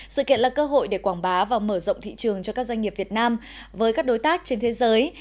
sự kiện là cơ hội để quảng bá và mở rộng thị trường cho các doanh nghiệp việt nam với các đối tác trên thế giới